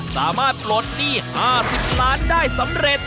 สามารถปลดที่๕๐ล้านได้สำเร็จ